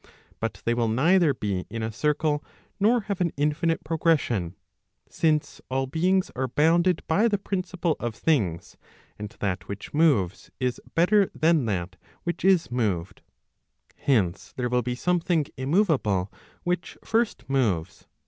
1 But they will neither be in a circle, nor have an infinite progression, since all beings are bounded by the principle of things and that which moves is better than that which ia moved, fience there will be something immoveable which first moves.